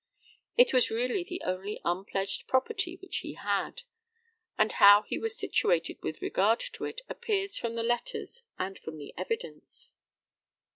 It was really the only unpledged property which he had, and how he was situated with regard to it appears from the letters and from the evidence.